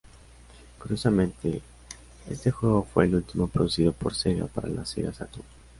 Curiosamente, este juego fue el último producido por Sega para la Sega Saturn.